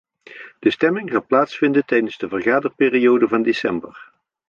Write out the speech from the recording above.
De stemming zal plaatsvinden tijdens de vergaderperiode van december.